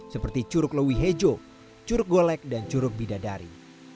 seperti curug lewi hejo curug golek dan curug bidadari